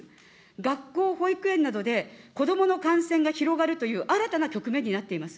学校、保育園などで子どもの感染が広がるという新たな局面になっています。